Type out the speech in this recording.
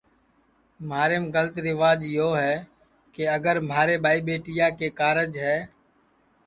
مہاریم گلت ریواج یو ہے کہ اگر مہارے ٻائی ٻیٹیا کے کارج ہے